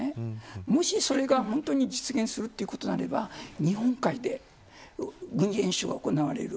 もしそれが本当に実現するとなれば日本海で軍事演習が行われます。